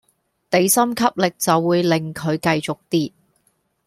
地心吸力就會令佢繼續跌